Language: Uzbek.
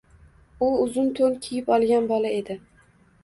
U uzun to‘n kiyib olgan bola edi.